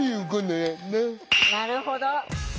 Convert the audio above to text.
なるほど。